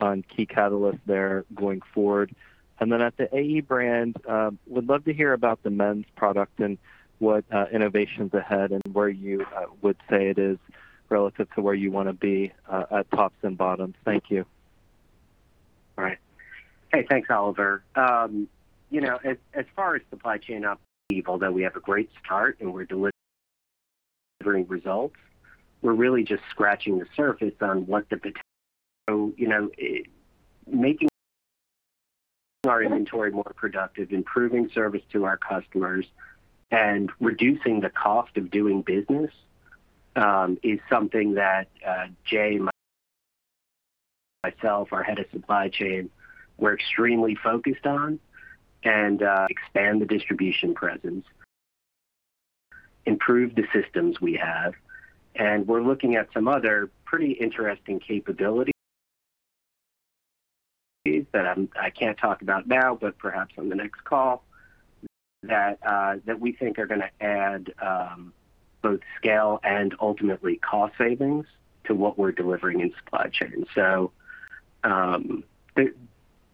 on key catalysts there going forward. Then at the AE brand, would love to hear about the men's product and what innovations ahead and where you would say it is relative to where you want to be at tops and bottoms. Thank you. Right. Hey, thanks, Oliver. As far as supply chain optimization goes, we have a great start, and we're delivering results. We're really just scratching the surface on what the potential. Making our inventory more productive, improving service to our customers, and reducing the cost of doing business is something that Jay, myself, our head of supply chain, we're extremely focused on, and expand the distribution presence, improve the systems we have. We're looking at some other pretty interesting capabilities that I can't talk about now, but perhaps on the next call, that we think are going to add both scale and ultimately cost savings to what we're delivering in supply chain.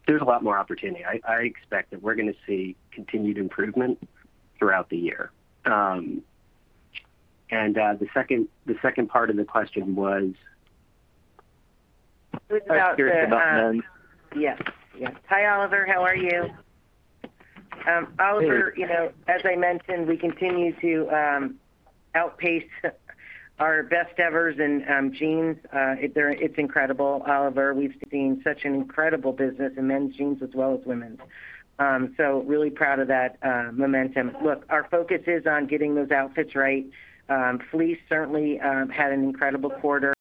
There's a lot more opportunity. I expect that we're going to see continued improvement throughout the year. The second part of the question was? Yes. Hi, Oliver. How are you? Oliver, as I mentioned, we continue to outpace our best-evers in jeans. It's incredible, Oliver. We've seen such an incredible business in men's jeans as well as women's. Really proud of that momentum. Look, our focus is on getting those outfits right. Fleece certainly had an incredible quarter.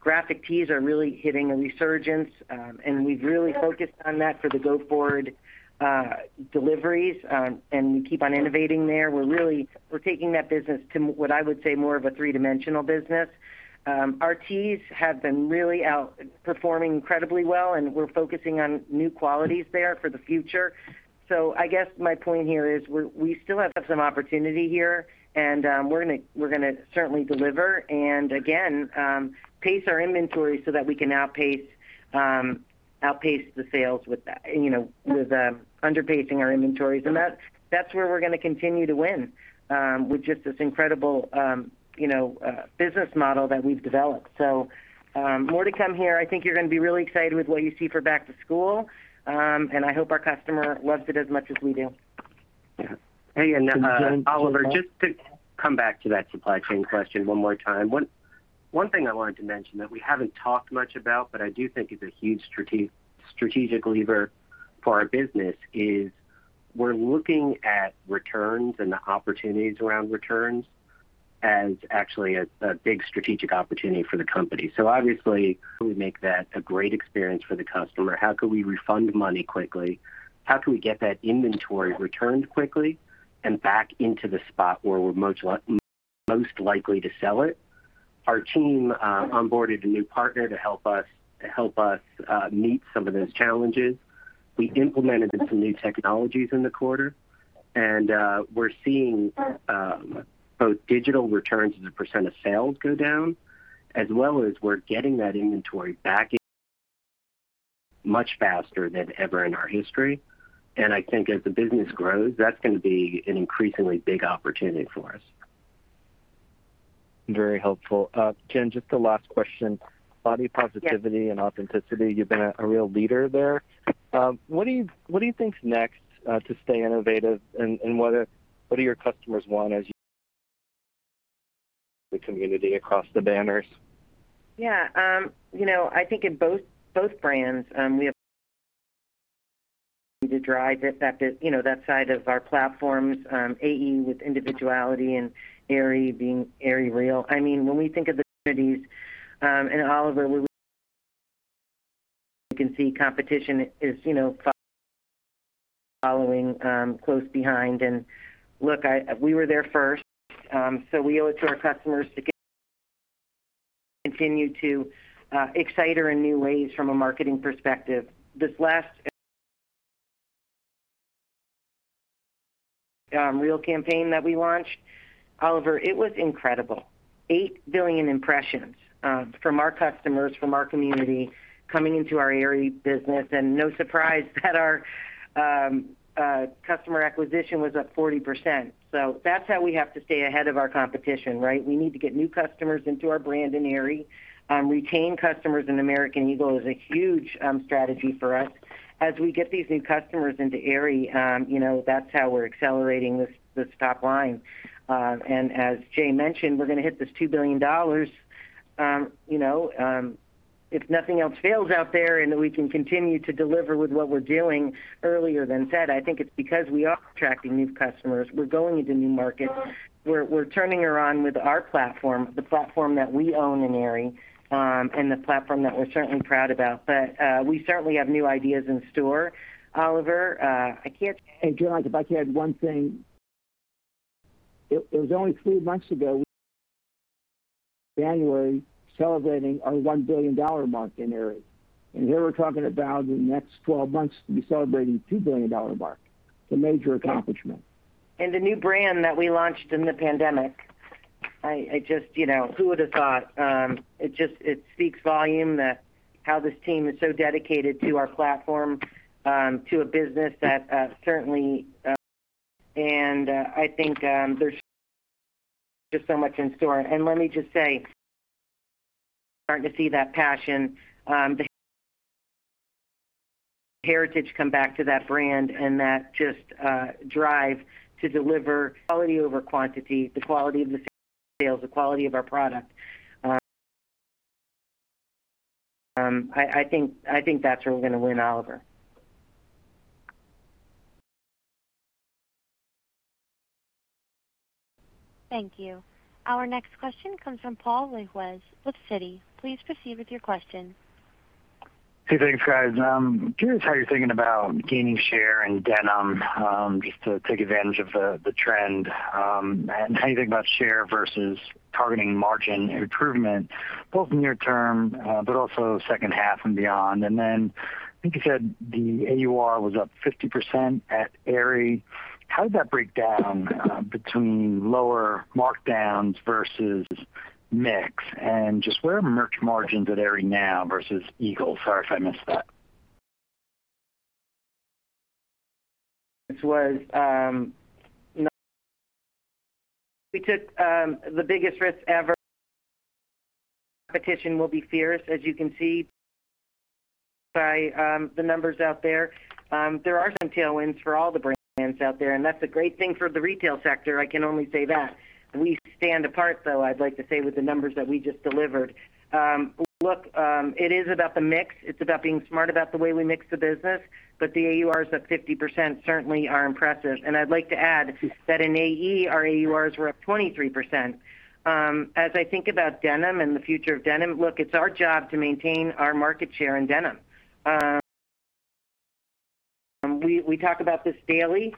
Our graphic tees are really getting a resurgence, and we've really focused on that for the go-forward deliveries, and we keep on innovating there. We're taking that business to, what I would say, more of a three-dimensional business. Our tees have been really outperforming incredibly well, and we're focusing on new qualities there for the future. I guess my point here is we still have some opportunity here, and we're going to certainly deliver and again, pace our inventory so that we can outpace the sales with underpacing our inventory. That's where we're going to continue to win with just this incredible business model that we've developed. More to come here. I think you're going to be really excited with what you see for back to school. I hope our customer loves it as much as we do. Hey, Oliver, just to come back to that supply chain question one more time. One thing I wanted to mention that we haven't talked much about, I do think is a huge strategic lever for our business is we're looking at returns and the opportunities around returns as actually a big strategic opportunity for the company. Obviously, we make that a great experience for the customer. How can we refund money quickly? How can we get that inventory returned quickly and back into the spot where we're most likely to sell it? Our team onboarded a new partner to help us meet some of those challenges. We implemented some new technologies in the quarter, and we're seeing both digital returns as a percent of sales go down, as well as we're getting that inventory back much faster than ever in our history. I think as the business grows, that's going to be an increasingly big opportunity for us. Very helpful. Jen, just a last question. Body positivity and authenticity, you've been a real leader there. What do you think is next to stay innovative, and what do your customers want as the community across the banners? Yeah. I think in both brands, we have to drive that side of our platforms, AE with individuality and Aerie being Aerie Real. When we think of the communities, Oliver, you can see competition is following close behind. Look, we were there first. We owe it to our customers to continue to excite her in new ways from a marketing perspective. This last Real campaign that we launched, Oliver, it was incredible. 8 billion impressions from our customers, from our community, coming into our Aerie business. No surprise that our customer acquisition was up 40%. That's how we have to stay ahead of our competition. We need to get new customers into our brand in Aerie. Retaining customers in American Eagle is a huge strategy for us. As we get these new customers into Aerie, that's how we're accelerating this top line. As Jay mentioned, we're going to hit this $2 billion, if nothing else fails out there and we can continue to deliver with what we're doing earlier than said, I think it's because we are attracting new customers. We're going into new markets. We're turning around with our platform, the platform that we own in Aerie, and the platform that we're certainly proud about but we certainly have new ideas in store. Oliver, I can't.- Jen, if I could add one thing. It was only three months ago January celebrating our $1 billion mark in Aerie. Here we're talking about in the next 12 months, we'll be celebrating a $2 billion mark. It's a major accomplishment. The new brand that we launched in the pandemic. Who would've thought? It speaks volumes how this team is so dedicated to our platform, to a business that certainly and I think there's just so much in store. Let me just say, starting to see that passion heritage come back to that brand and that just drive to deliver quality over quantity, the quality of the sales, the quality of our product. I think that's where we're going to win, Oliver. Thank you. Our next question comes from Paul Lejuez with Citi. Please proceed with your question. Hey, thanks, guys. Jen, how are you thinking about gaining share in denim, just to take advantage of the trend? How are you thinking about share versus targeting margin improvement, both near-term, but also second half and beyond? I think you said the AUR was up 50% at Aerie. How did that break down between lower markdowns versus mix? Just where are merch margins at Aerie now versus Eagle, sorry if I missed that. We took the biggest risk ever. Competition will be fierce, as you can see by the numbers out there. There are some tailwinds for all the brands out there, and that's a great thing for the retail sector, I can only say that. We stand apart, though, I'd like to say, with the numbers that we just delivered. Look, it is about the mix. It's about being smart about the way we mix the business. The AURs at 50% certainly are impressive. I'd like to add, as you said, in AE, our AURs were up 23%. As I think about denim and the future of denim, look, it's our job to maintain our market share in denim. We talk about this daily.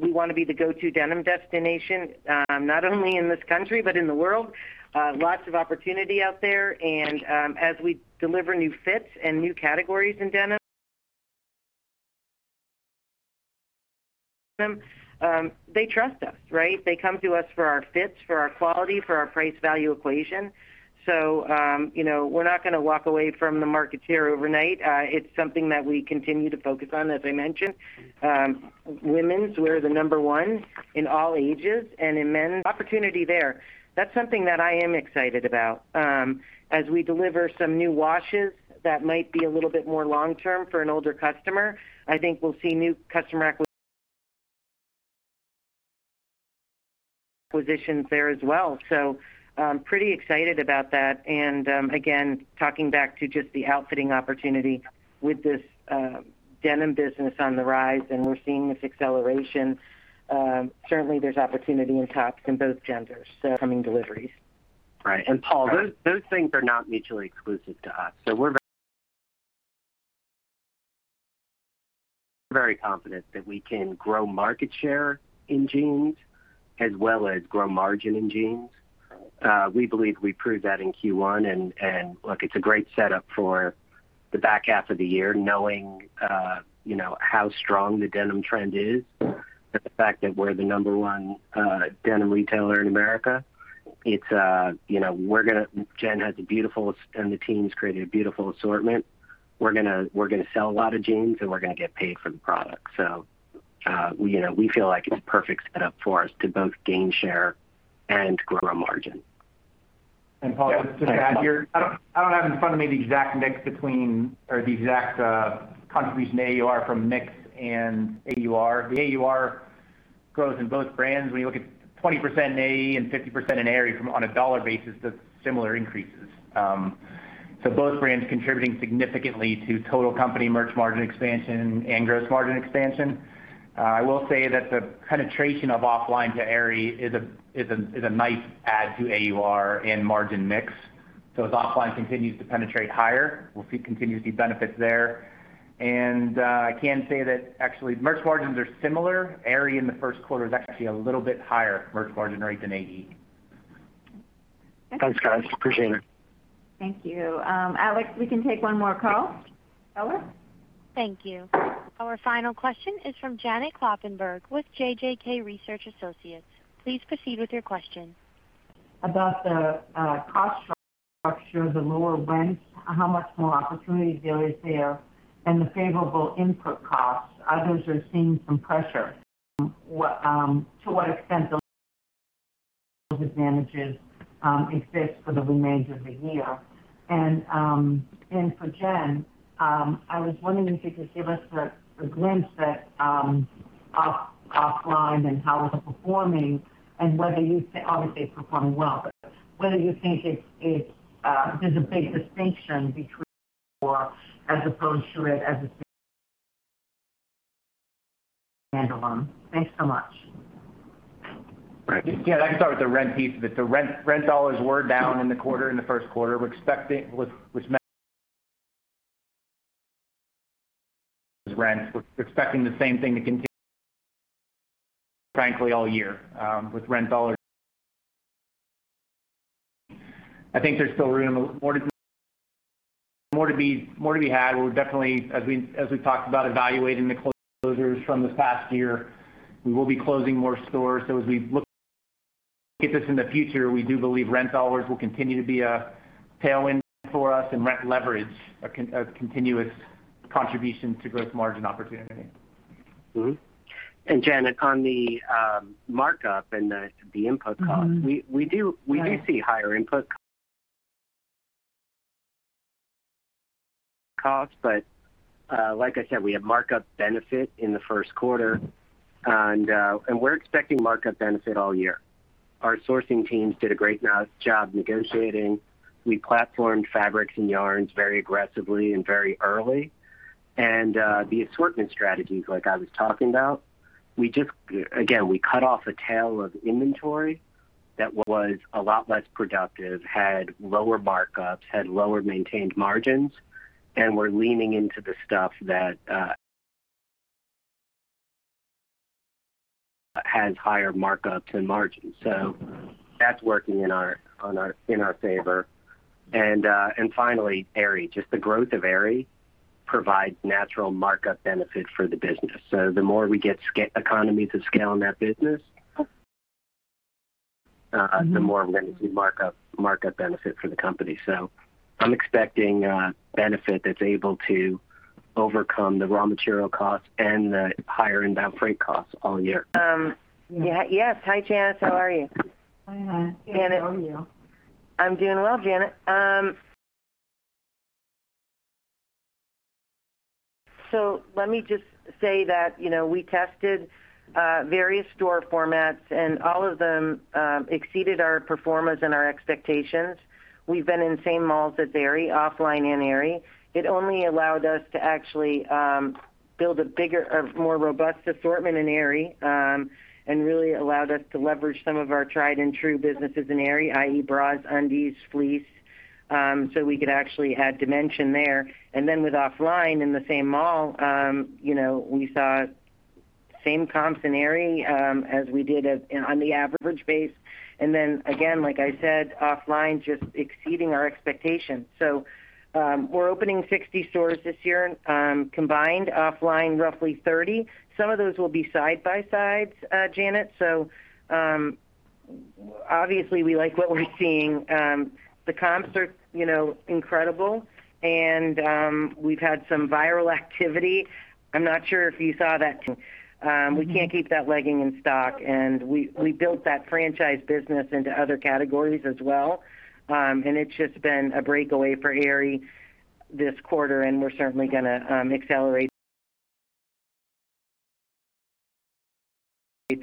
We want to be the go-to denim destination, not only in this country, but in the world. Lots of opportunity out there. As we deliver new fits and new categories in denim, they trust us. They come to us for our fits, for our quality, for our price-value equation. We're not going to walk away from the market share overnight. It's something that we continue to focus on, as I mentioned. Women's, we're the number one in all ages, and in men's, opportunity there. That's something that I am excited about. As we deliver some new washes that might be a little bit more long-term for an older customer, I think we'll see new customer acquisition there as well. Pretty excited about that. Again, talking back to just the outfitting opportunity with this denim business on the rise, and we're seeing this acceleration. Certainly, there's opportunity in tops in both genders. Coming deliveries- Right. And Paul- Those things are not mutually exclusive to us. We're very confident that we can grow market share in jeans as well as grow margin in jeans. We believe we proved that in Q1. Look, it's a great setup for the back half of the year knowing how strong the denim trend is, the fact that we're the number on denim retailer in America. Jen has a beautiful, and the team's created a beautiful assortment. We're going to sell a lot of jeans. We're going to get paid for the product. We feel like it's a perfect setup for us to both gain share and grow our margin. Paul just to add here, I don't have in front of me the exact mix between, or the exact contribution to AUR from mix and AUR. The AUR growth in both brands, we look at 20% in AE and 50% in Aerie on a dollar basis, so similar increases. Both brands contributing significantly to total company merch margin expansion and gross margin expansion. I will say that the penetration of OFFLINE to Aerie is a nice add to AUR and margin mix. As OFFLINE continues to penetrate higher, we'll continue to see benefits there. I can say that actually merch margins are similar. Aerie in the first quarter is actually a little bit higher merch margin rate than AE. Thanks, [Kash]. Appreciate it. Thank you. Ellis, we can take one more call. Ellis? Thank you. Our final question is from Janet Kloppenburg with JJK Research Associates. Please proceed with your question. About the cost structure, the lower rents, how much more opportunity there is there, and the favorable input costs. Others are seeing some pressure. To what extent those advantages exist for the remainder of the year. For Jen, I was wondering if you could give us a glimpse at OFFLINE and how it's performing and whether you see, obviously it's performing well, but whether you think there's a big distinction between AE or as opposed to it as a standalone. Thanks so much. Yeah, I can start with the rent piece of it. The rent dollars were down in the quarter, in the first quarter, which meant rent. We're expecting the same thing to continue, frankly, all year. With rent dollars I think there's still more to be had. We're definitely, as we talked about, evaluating the closing from this past year. We will be closing more stores. As we look at this in the future, we do believe rent dollars will continue to be a tailwind for us and rent leverage, a continuous contribution to gross margin opportunity. Jen, on the markup and the input costs. We do see higher input costs. Like I said, we had markup benefit in the first quarter, and we're expecting markup benefit all year. Our sourcing teams did a great job negotiating. We platformed fabrics and yarns very aggressively and very early. The assortment strategies, like I was talking about, again, we cut off a tail of inventory that was a lot less productive, had lower markups, had lower maintained margins, and we're leaning into the stuff that has higher markups and margins so that's working in our favor. Finally, Aerie. Just the growth of Aerie provides natural markup benefits for the business. The more we get economies of scale in that business, the more markup benefit for the company. I'm expecting a benefit that's able to overcome the raw material costs and the higher inbound freight costs all year. Yes. Hi, Janet, how are you? Hi. Good. How are you? I'm doing well, Janet. Let me just say that, we tested various store formats and all of them exceeded our performance and our expectations. We've been in the same malls as Aerie, OFFLINE and Aerie. It only allowed us to actually build a more robust assortment in Aerie, and really allowed us to leverage some of our tried and true businesses in Aerie, i.e. bras, undies, fleece, so we could actually add dimension there. Then with OFFLINE in the same mall, we saw same comps in Aerie as we did on the average base. Then again, like I said, OFFLINE just exceeding our expectations. We're opening 60 stores this year, combined OFFLINE roughly 30. Some of those will be side-by-sides, Janet. Obviously we like what we're seeing. The comps are incredible, and we've had some viral activity. I'm not sure if you saw that. We can't keep that legging in stock, and we built that franchise business into other categories as well. It's just been a breakaway for Aerie this quarter, and we're certainly going to accelerate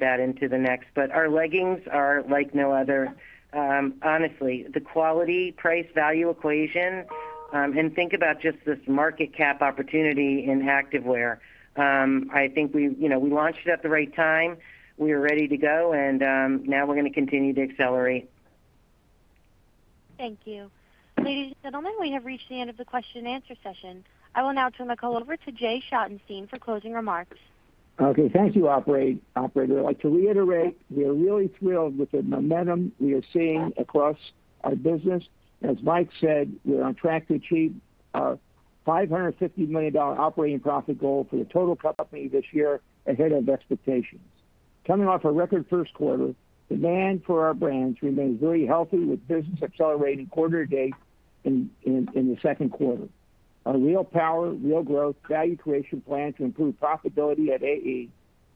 that into the next but our leggings are like no other. Honestly, the quality-price value equation, and think about just this market cap opportunity in activewear. I think we launched it at the right time. We were ready to go, and now we're going to continue to accelerate. Thank you. Ladies and gentlemen, we have reached the end of the question-and-answer session. I will now turn the call over to Jay Schottenstein for closing remarks. Okay. Thank you, operator. I'd like to reiterate, we are really thrilled with the momentum we are seeing across our business. As Mike said, we are on track to achieve our $550 million operating profit goal for the total company this year ahead of expectations. Coming off a record first quarter, demand for our brands remains very healthy with business accelerating quarter-to-date in the second quarter. Our Real Power. Real Growth. value creation plan to improve profitability at AE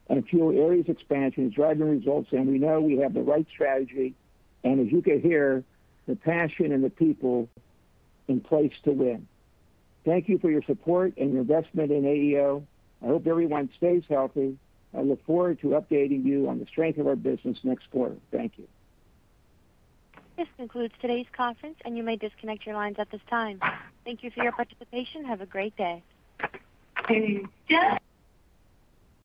and fuel Aerie's expansion is driving results, and we know we have the right strategy, and as you can hear, the passion and the people in place to win. Thank you for your support and your investment in AEO. I hope everyone stays healthy. I look forward to updating you on the strength of our business next quarter. Thank you. This concludes today's conference, and you may disconnect your lines at this time. Thank you for your participation. Have a great day.